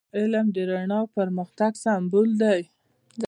علم د رڼا او پرمختګ سمبول دی.